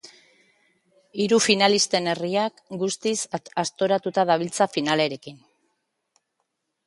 Hiru finalisten herriak guztiz aztoratuta dabiltza finalarekin.